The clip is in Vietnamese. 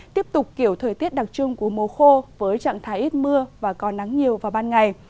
tiếp tục kiểu thời tiết đặc trưng của mùa khô với trạng thái ít mưa và có nắng nhiều vào ban ngày